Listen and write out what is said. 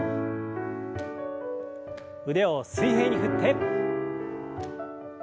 腕を水平に振って。